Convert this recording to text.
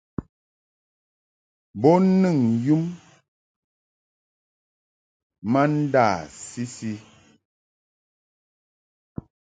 Bo nɨŋ yam ma ndâ-sisi.